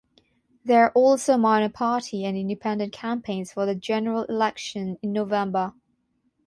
There are also minor party and independent campaigns for the general election in November.